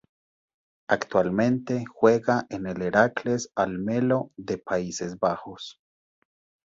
Actualmente juega en el Heracles Almelo de Países Bajos.